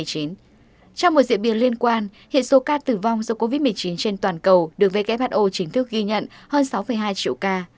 trong một diễn biến liên quan hiện số ca tử vong do covid một mươi chín trên toàn cầu được who chính thức ghi nhận hơn sáu hai triệu ca